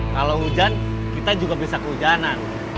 kalau hujan kita juga bisa kehujanan